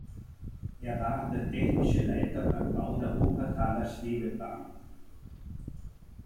Er war der technische Leiter beim Bau der Wuppertaler Schwebebahn.